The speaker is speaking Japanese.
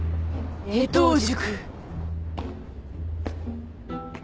江藤塾。